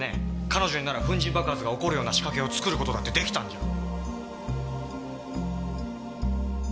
彼女になら粉塵爆発が起こるような仕掛けを作る事だって出来たんじゃ。